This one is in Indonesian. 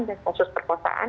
dan kasus perkosaan